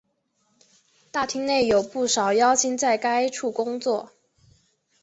大厅内有不少妖精在该处工作。